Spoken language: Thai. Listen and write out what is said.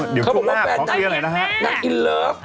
เลือกจริ่งด้วยเห็นไหมล่ะ